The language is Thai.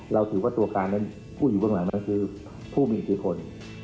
เราถือว่าตัวการนั้นผู้อยู่เบื้องหลังนั้นคือผู้มีอิทธิพล